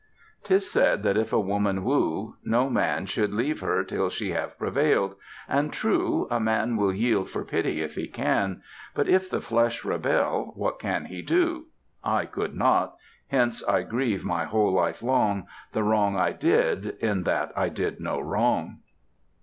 'Tis said that if a woman woo, no man Should leave her till she have prevailed; and, true, A man will yield for pity if he can, But if the flesh rebel what can he do? I could not; hence I grieve my whole life long The wrong I did in that I did no wrong.